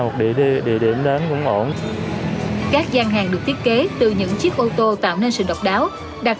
một địa điểm đến cũng ổn các gian hàng được thiết kế từ những chiếc ô tô tạo nên sự độc đáo đặc